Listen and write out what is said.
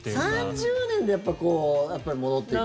３０年でやっぱり戻ってくる。